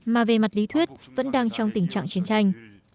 mà về mặt lý thuyết vẫn đang trong tình trạng chiến tranh